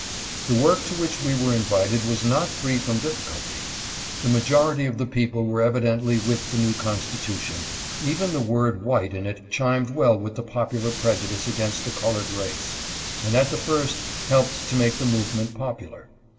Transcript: The work to which we were invited was not free from difficulty. The majority of the people were evidently with the new con stitution ; even the word white in it chimed well with the popular prejudice against the colored race, and at the first helped to, make the movement popular.